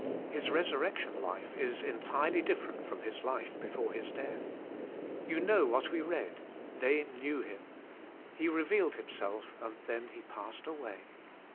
His resurrection life is en tirely different from His life before His death. You know what we read : They knew Him." He revealed Himself, and then He passed away.